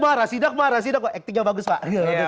marah sidak marah sidak kok ektingnya bagus pak